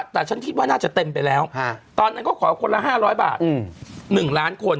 แต่ฉันคิดว่าน่าจะเต็มไปแล้วตอนนั้นก็ขอคนละ๕๐๐บาท๑ล้านคน